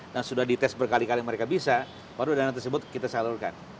dan sudah dites berkali kali mereka bisa baru dana tersebut kita salurkan